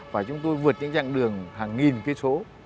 và chúng tôi vượt những chặng đường hàng nghìn kỷ số